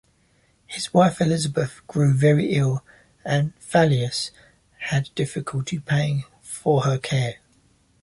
His wife Elisabeth grew very ill and Foulois had difficulty paying for her care.